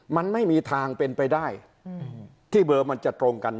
มันไม่มีทางเป็นไปได้ที่เบอร์มันจะตรงกัน